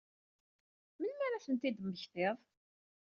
Melmi ara ad tent-id-temmektiḍ?